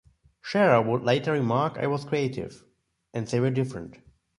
Shearer would later remark I was creative...and they were different.